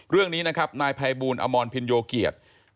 เรื่องนี้นะครับนายภัยบูลอมรพินโยเกียรติ